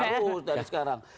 harus dari sekarang